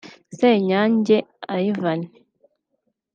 Senyange Ivan